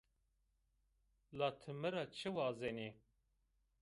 La ti mi ra çi wazenî?